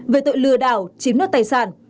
về tội lừa đảo chiếm đoạt tài sản